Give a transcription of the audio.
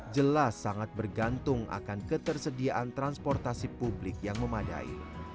jelas sangat bergantung akan ketersediaan transportasi publik yang memadai